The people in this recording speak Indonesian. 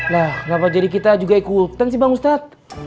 nah kenapa jadi kita juga ikutan sih bang ustadz